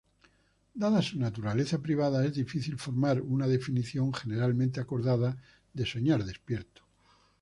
Dada su naturaleza privada, es difícil formar una definición generalmente acordada de soñar despierto.